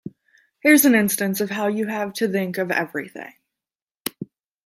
Here's an instance of how you have to think of everything.